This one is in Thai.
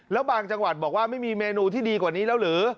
แล้วบางจังหวัดบอกว่าไม่มีเมนูที่ดีกว่านี้แล้วหรือ